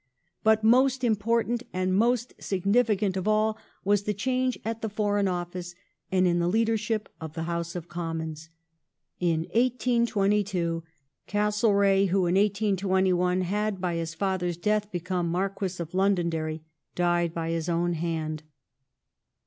But most important and most significant of all was the change at the Foreign Office and in the Leadership of the House of Commons. In 1822 Castle reagh, who in 1821 had by his father's death become Marquis of Londonderry, died by his own hand.